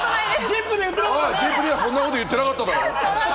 『ＺＩＰ！』ではそんなこと言ってなかった。